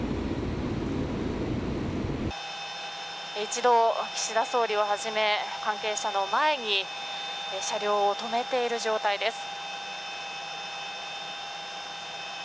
一度、岸田総理をはじめ関係者の前に車両を止めている状態です。